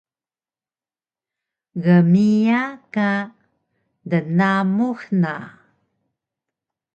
gmiya ka dnamux na